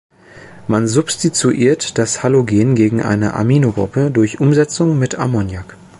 Man substituiert das Halogen gegen eine Aminogruppe durch Umsetzung mit Ammoniak.